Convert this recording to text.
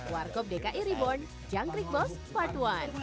warkob dki reborn jangkrik boss part satu